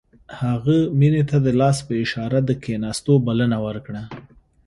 هغه مينې ته د لاس په اشاره د کښېناستو بلنه ورکړه.